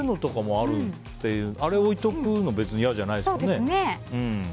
あれを置いておくのは嫌じゃないですよね。